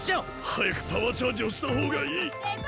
はやくパワーチャージをしたほうがいい！